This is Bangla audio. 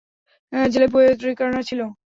জেলে, পুয়ের্তো রিকানরা ছিলো?